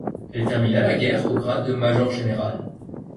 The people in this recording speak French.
Il termina la guerre au grade de major général.